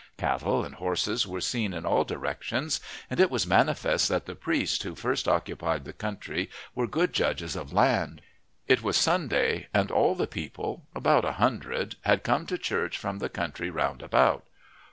Cattle and horses were seen in all directions, and it was manifest that the priests who first occupied the country were good judges of land. It was Sunday, and all the people, about, a hundred, had come to church from the country round about.